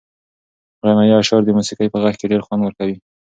غنایي اشعار د موسیقۍ په غږ کې ډېر خوند ورکوي.